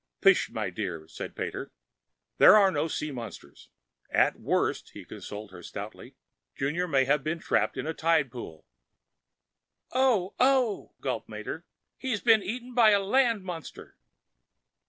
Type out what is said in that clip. "Pish, my dear!" said Pater. "There are no sea monsters. At worst," he consoled her stoutly, "Junior may have been trapped in a tidepool." "Oh, oh," gulped Mater. "He'll be eaten by a land monster."